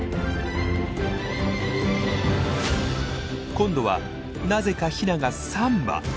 今度はなぜかヒナが３羽。